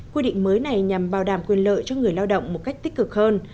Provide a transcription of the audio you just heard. quy định mới này nhằm bảo đảm quyền lợi cho người lao động một cách tích cực hơn